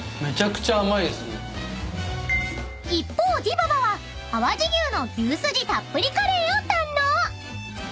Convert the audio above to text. ［一方でぃばばは淡路牛の牛すじたっぷりカレーを堪能］